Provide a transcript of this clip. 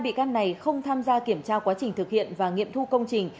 bị can này không tham gia kiểm tra quá trình thực hiện và nghiệm thu công trình